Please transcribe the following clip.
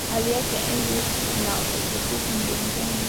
Aliacha enzi na utukufu mbinguni.